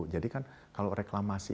dua ribu jadi kan kalau reklamasi